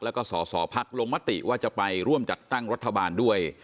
แล้วก็สอสอพักลงมติว่าจะไปร่วมจัดตั้งรัฐบาลด้วย